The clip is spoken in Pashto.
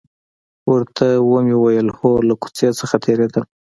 ورته ومې ویل: هو، له کوڅې څخه تېرېدل.